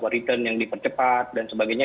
return yang dipercepat dan sebagainya